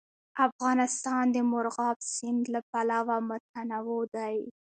افغانستان د مورغاب سیند له پلوه متنوع دی.